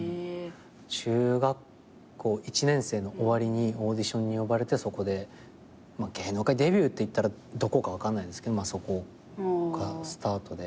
中学校１年生の終わりにオーディションに呼ばれてそこで芸能界デビューっていったらどこか分からないんですけどまあそこがスタートで。